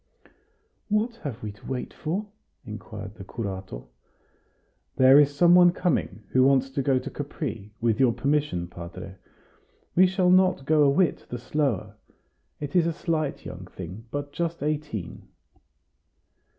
"What have we to wait for?" inquired the curato. "There is some one coming who wants to go to Capri with your permission, padre. We shall not go a whit the slower. It is a slight young thing, but just eighteen."